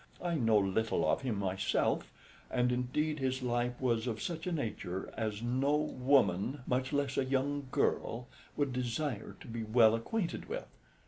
I know little of him myself, and indeed his life was of such a nature as no woman, much less a young girl, would desire to be well acquainted with.